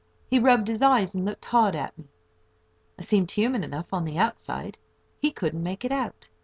He rubbed his eyes, and looked hard at me. I seemed human enough on the outside: he couldn't make it out.